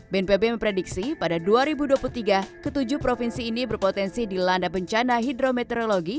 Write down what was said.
bnpb memprediksi pada dua ribu dua puluh tiga ketujuh provinsi ini berpotensi dilanda bencana hidrometeorologi